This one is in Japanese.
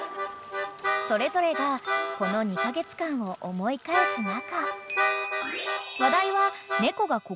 ［それぞれがこの２カ月間を思い返す中］